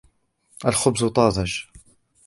الخبز طازج.